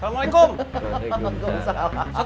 satu produk yang nyamuk